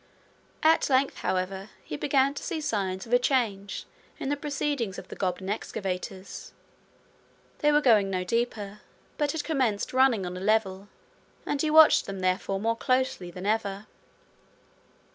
At length, however, he began to see signs of a change in the proceedings of the goblin excavators: they were going no deeper, but had commenced running on a level; and he watched them, therefore, more closely than ever.